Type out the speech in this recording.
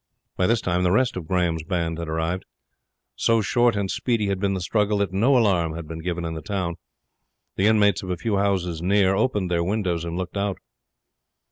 By this time the rest of Grahame's band had arrived. So short and speedy had been the struggle that no alarm had been given in the town. The inmates of a few houses near opened their windows and looked out.